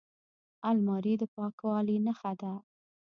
الماري د پاکوالي نښه ده